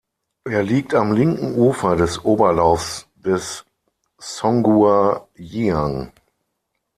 Er liegt am linken Ufer des Oberlaufs des Songhua Jiang.